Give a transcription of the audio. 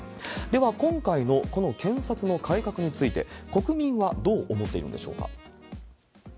では、今回のこの検察の改革について、国民はどう思っているんでしょうか。